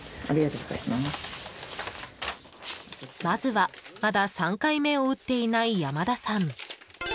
まずは、まだ３回目を打っていない山田さん。